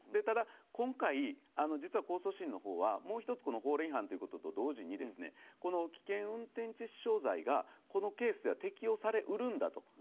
ただ今回、実は控訴審のほうはもう１つ、法令違反と同時にこの危険運転致死傷罪がこのケースでは適用され得るんだと。